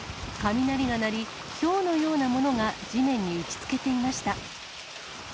雷が鳴り、ひょうのようなものが地面に打ちつけていました。